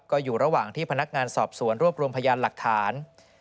ก็อยู่ระหว่างที่พนักงานสอบสวนรวบรวมพยานหลักฐาน